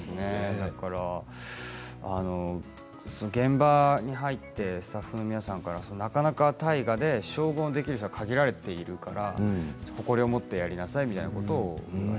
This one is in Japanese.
だから現場に入ってスタッフの皆さんからなかなか大河で将軍をできる人は限られているから誇りを持ってやりなさいみたいなことを。